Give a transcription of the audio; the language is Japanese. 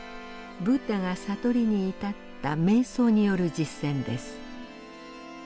ブッダが悟りに至った瞑想による実践です。